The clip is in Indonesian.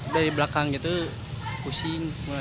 dari belakang gitu pusing